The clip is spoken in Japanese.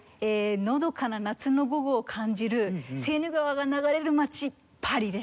のどかな夏の午後を感じるセーヌ川が流れる街パリです。